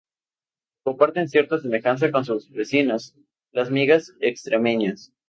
Comparten cierta semejanza con sus vecinas, las migas extremeñas.